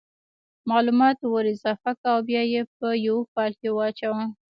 مالومات ور اضافه که او بیا یې په یو فایل کې واچوه